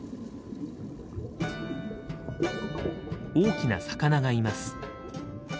大きな魚がいます。